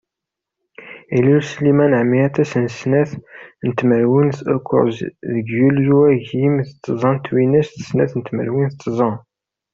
Ilul Sliman Ɛmirat ass n snat tmerwin d ukkuẓ deg yulyu agim d tẓa twinas d snat tmerwin d tẓa.